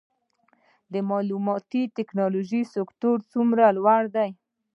د معلوماتي ټیکنالوژۍ سکتور څومره لوی دی؟